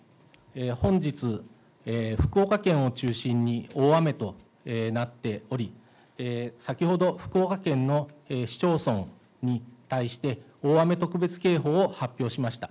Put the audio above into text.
本日、福岡県を中心に大雨となっており、先ほど福岡県の市町村に対して、大雨特別警報を発表しました。